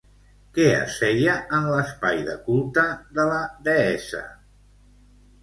Què es feia en l'espai de culte de la deessa?